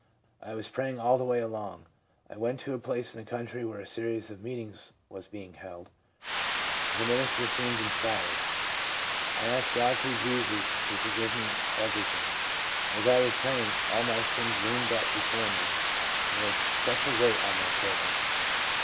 I was praying all the way along. I went to a place in the country where a series of meet ings was being held. The minister seemed inspired. I asked God through Jesus to forgive me everything. As I was praying all my sin loomed up before me, and was such a weight on my soul.